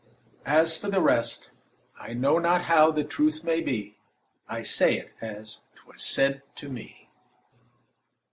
As for the rest, "I know not how the truth may be; I say it as 'twas said to me."